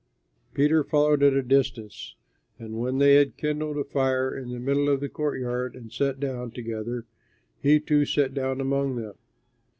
Peter followed at a distance, and when they had kindled a fire in the middle of the courtyard and sat down together, he too sat down among them.